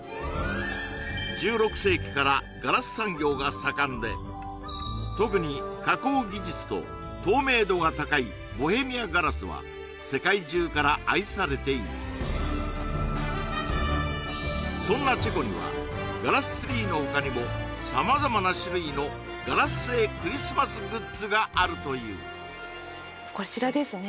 １６世紀からガラス産業が盛んで特に加工技術と透明度が高いボヘミアガラスは世界中から愛されているそんなチェコにはガラスツリーの他にも様々な種類のガラス製クリスマスグッズがあるというこちらですね